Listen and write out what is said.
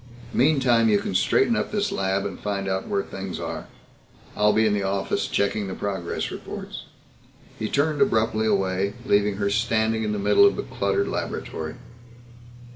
Meantime you can straighten up this lab and find out where things are. I'll be in the office checking the progress reports." He turned abruptly away, leaving her standing in the middle of the cluttered laboratory.